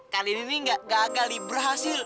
kali ini nih gak gagal diberhasil